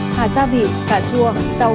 hạt gia vị cà chua